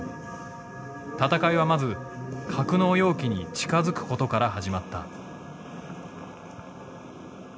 闘いはまず格納容器に近づくことから始まった。